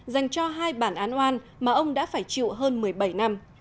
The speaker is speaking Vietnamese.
dành cho hai bản án oan mà ông đã phải chịu hơn một mươi bảy năm